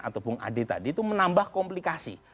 atau bung ade tadi itu menambah komplikasi